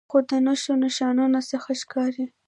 خو د نښو نښانو څخه ښکارې